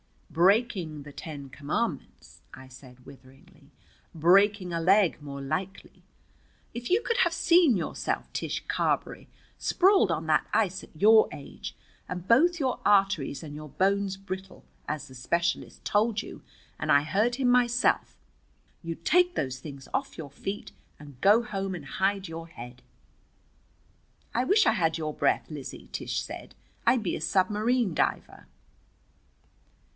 "Breaking the Ten Commandments!" I said witheringly. "Breaking a leg more likely. If you could have seen yourself, Tish Carberry, sprawled on that ice at your age, and both your arteries and your bones brittle, as the specialist told you, and I heard him myself, you'd take those things off your feet and go home and hide your head." "I wish I had your breath, Lizzie," Tish said. "I'd be a submarine diver."